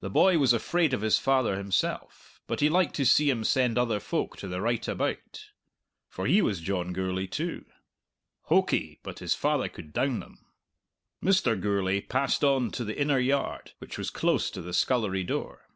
The boy was afraid of his father himself, but he liked to see him send other folk to the right about. For he was John Gourlay, too. Hokey, but his father could down them! Mr. Gourlay passed on to the inner yard, which was close to the scullery door.